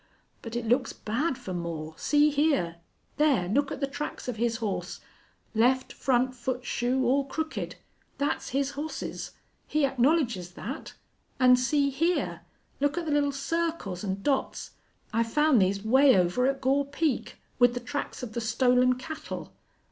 "But it looks bad fer Moore.... See hyar! There! Look at the tracks of his hoss left front foot shoe all crooked. Thet's his hoss's. He acknowledges thet. An', see hyar. Look at the little circles an' dots.... I found these 'way over at Gore Peak, with the tracks of the stolen cattle.